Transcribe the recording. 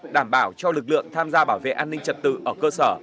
đảm bảo cho lực lượng tham gia bảo vệ an ninh trật tự ở cơ sở